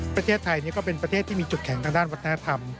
ประเทศไทยก็เป็นประเทศที่มีจุดแข็งทางด้านวัฒนธรรม